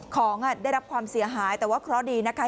ของได้รับความเสียหายแต่ว่าเคราะห์ดีนะคะ